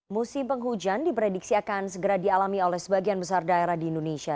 musim penghujan diprediksi akan segera dialami oleh sebagian besar daerah di indonesia